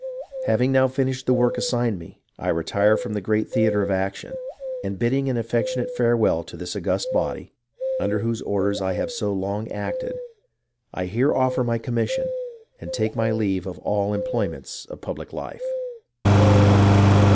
Hav ing now finished the work assigned me, I retire from the great theatre of action, and, bidding an affectionate fare well to this august body, under whose orders I have so long acted, I here offer my commission and take my leave of all the employments of public life."